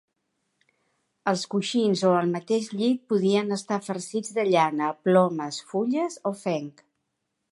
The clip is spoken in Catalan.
Els coixins o el mateix llit podien estar farcits de llana, plomes, fulles o fenc.